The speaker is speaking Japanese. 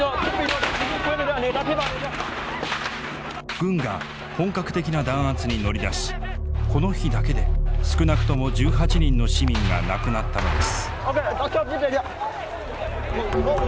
軍が本格的な弾圧に乗り出しこの日だけで少なくとも１８人の市民が亡くなったのです。